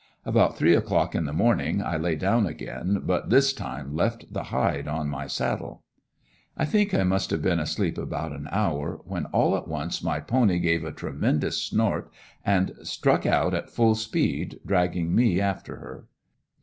About three o'clock in the morning I lay down again, but this time left the hide on my saddle. I think I must have been asleep about an hour when all at once my pony gave a tremendous snort and struck out at full speed, dragging me after her.